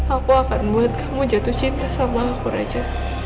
aku akan membuat kamu jatuh cinta sama aku raja